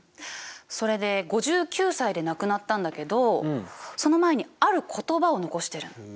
それで５９歳で亡くなったんだけどその前にある言葉を残してる。